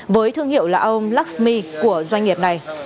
với thương hiệu là aom luxmi của doanh nghiệp này